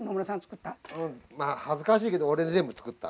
まあ恥ずかしいけど俺全部作った。